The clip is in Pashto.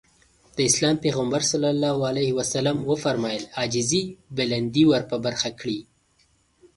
د اسلام پيغمبر ص وفرمايل عاجزي بلندي ورپه برخه کړي.